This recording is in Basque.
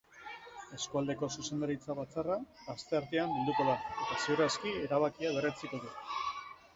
Eskualdeko zuzendaritza batzarra asteartean bilduko da, eta ziur aski erabakia berretsiko du.